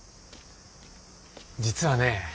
実はね